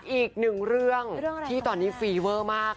อีกหนึ่งเรื่องที่ตอนนี้ฟีเวอร์มาก